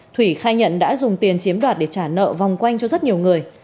thủy khai nhận đã dùng tiền chiếm đoạt để trả nợ vòng quanh cho rất nhiều người